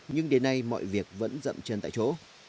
nhưng đến nay mọi việc vẫn dậm chân tại chỗ